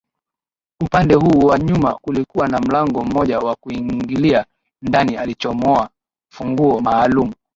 Upande huu wa nyuma kulikuwa na mlango mmoja wa kuingilia ndani alichomoa funguo maalumu